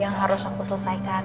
yang harus aku selesaikan